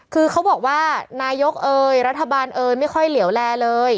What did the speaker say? คือเขาบอกว่านายกรัฐบาลไม่ค่อยเหลี่ยวแรเลย